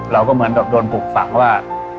เราก็เหมือนกับโดนปลูกฝังว่า